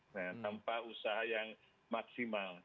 tanpa usaha yang maksimal